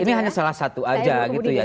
ini hanya salah satu aja gitu ya